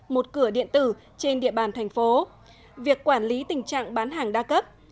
một cửa điện tử trên địa bàn thành phố việc quản lý tình trạng bán hàng đa cấp